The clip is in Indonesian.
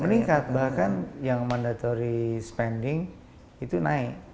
meningkat bahkan yang mandatory spending itu naik